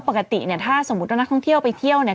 ปกติเนี่ยถ้าสมมุติว่านักท่องเที่ยวไปเที่ยวเนี่ย